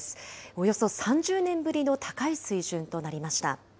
およそ３０年ぶりの高い水準となりました。